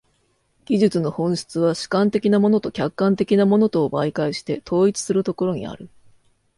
技術の本質は主観的なものと客観的なものとを媒介して統一するところにある。